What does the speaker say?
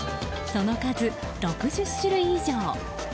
その数、６０種類以上。